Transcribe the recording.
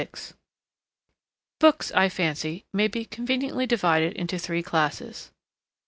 Books, I fancy, may be conveniently divided into three classes: 1.